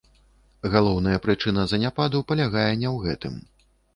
Галоўная прычына заняпаду палягае не ў гэтым.